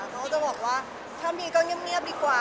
เขาก็จะบอกว่าถ้ามีก็เงียบดีกว่า